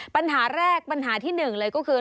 ปัญหาแรกปัญหาที่หนึ่งเลยก็คือ